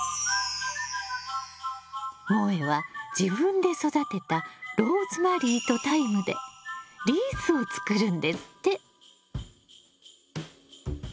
もえは自分で育てたローズマリーとタイムでリースを作るんですって。